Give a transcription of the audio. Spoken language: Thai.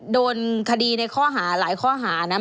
โดนคดีในข้อหาหลายข้อหานะ